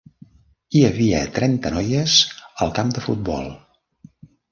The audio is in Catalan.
Hi havia trenta noies al camp de futbol.